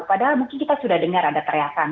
padahal mungkin kita sudah dengar ada teriakan